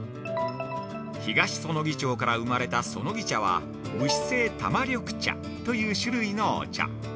東彼杵町から生まれた「そのぎ茶」は「蒸し製玉緑茶」という種類のお茶。